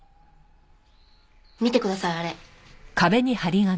見てくださいあれ。